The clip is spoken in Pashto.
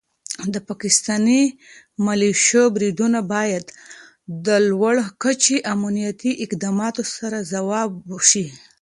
د پاکستاني ملیشو بریدونه باید د لوړ کچې امنیتي اقداماتو سره ځواب شي.